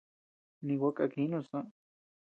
Ni gua kakjinus soʼö.